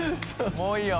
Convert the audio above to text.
もういいよ。